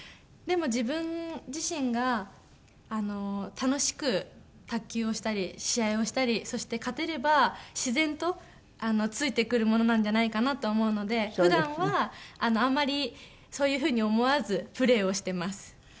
でも自分自身が楽しく卓球をしたり試合をしたりそして勝てれば自然とついてくるものなんじゃないかなと思うので普段はあんまりそういうふうに思わずプレーをしてます。